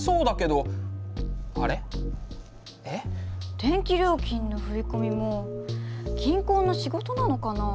電気料金の振込も銀行の仕事なのかな？